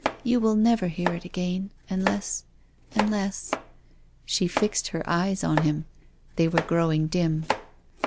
You will never hear it arain — unless — unless —" She fixed her eyes on him. They were growing dim.